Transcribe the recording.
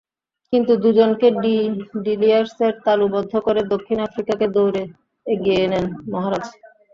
কিন্তু দুজনকে ডি ভিলিয়ার্সের তালুবদ্ধ করে দক্ষিণ আফ্রিকাকে দৌড়ে এগিয়ে নেন মহারাজ।